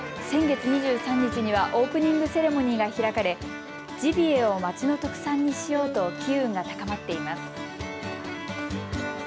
先月２３日にはオープニングセレモニーが開かれジビエを街の特産にしようと機運が高まっています。